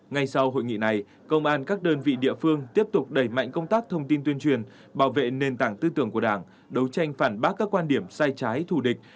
ngay sau hội nghị này công an các đơn vị địa phương tiếp tục đẩy mạnh công tác thông tin tuyên truyền bảo vệ nền tảng tư tưởng của đảng đấu tranh phản bác các quan điểm sai trái thù địch